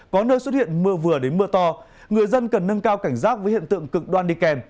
có nơi xuất hiện mưa vừa đến mưa to người dân cần nâng cao cảnh giác với hiện tượng cực đoan đi kèm